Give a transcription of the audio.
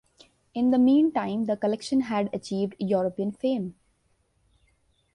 In the meantime the collection had achieved European fame.